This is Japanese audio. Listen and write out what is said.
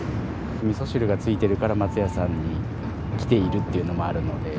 みそ汁が付いてるから、松屋さんに来ているっていうのもあるので。